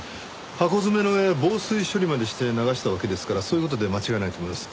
箱詰めの上防水処理までして流したわけですからそういう事で間違いないと思います。